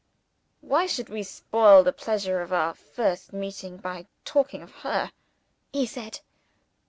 "Why should we spoil the pleasure of our first meeting by talking of her?" he said.